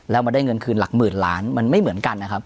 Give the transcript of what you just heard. แล้วมาได้เงินคืนหลักหมื่นล้านมันไม่เหมือนกันนะครับ